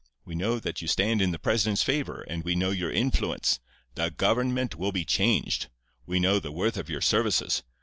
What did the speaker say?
We know that you stand in the president's favour, and we know your influence. The government will be changed. We know the worth of your services.